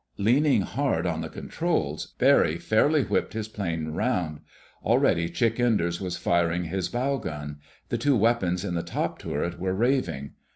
Leaning hard on the controls, Barry fairly whipped his plane around. Already Chick Enders was firing his bow gun. The two weapons in the top turret were raving.